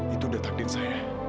itu sudah takdir saya